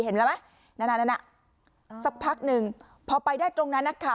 เห็นไหมนั่นน่ะสักพักหนึ่งพอไปได้ตรงนั้นนะคะ